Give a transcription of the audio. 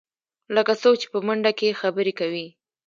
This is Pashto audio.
لکه څوک چې په منډه کې خبرې کوې.